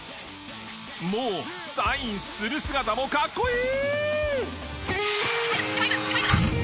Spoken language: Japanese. もうサインする姿もかっこいい！